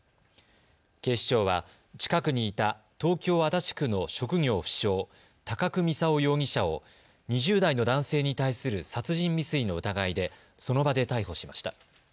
警視庁は近くにいた東京足立区の職業不詳、高久操容疑者を２０代の男性に対する殺人未遂の疑いでその場で逮捕しました。